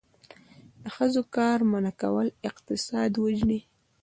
د ښځو کار منع کول اقتصاد وژني.